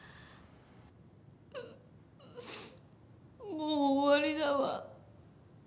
もう終わりだわ。